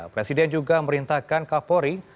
presiden juga memerintahkan kapolri